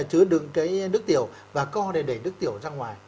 chứa đựng cái nước tiểu và co này để đẩy nước tiểu ra ngoài